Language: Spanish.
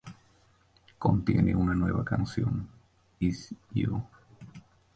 Contiene una nueva canción, "Iz U".